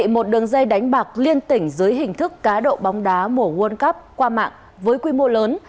một đường dây đánh bạc liên tỉnh dưới hình thức cá độ bóng đá mùa world cup qua mạng với quy mô lớn